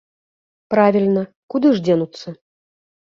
Правільна, куды ж дзенуцца?